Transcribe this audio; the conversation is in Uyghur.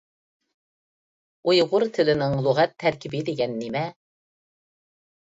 ئۇيغۇر تىلىنىڭ لۇغەت تەركىبى دېگەن نېمە؟